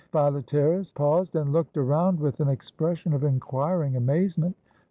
Philetasrus paused and looked around with an expres sion of inquiring amazement.